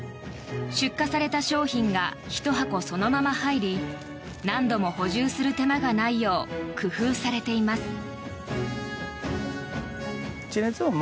出荷された商品がひと箱そのまま入り何度も補充する手間がないよう工夫されています。